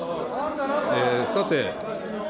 さて。